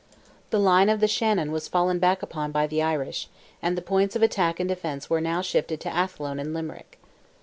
The line of the Shannon was fallen back upon by the Irish, and the points of attack and defence were now shifted to Athlone and Limerick.